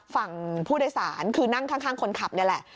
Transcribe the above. ฝั่งผู้โดยสารคือนั่งข้างคนขับนี่แหละ